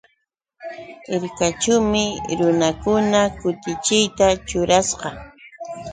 Hirkaćhuumi runakuna kutichiyta ćhurasqa.